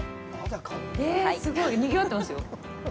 え、すごい、にぎわってますよ。